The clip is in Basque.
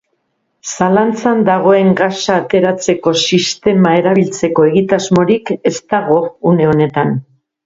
Zalantzan dagoen gasa ateratzeko sistema erabiltzeko egitasmorik ez dago une honetan.